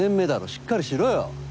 しっかりしろよ。